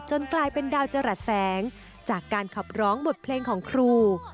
กลายเป็นดาวจรัสแสงจากการขับร้องบทเพลงของครู